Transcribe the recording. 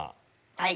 はい。